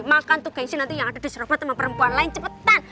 makan tuh gengsi nanti yang ada di sofa sama perempuan lain cepetan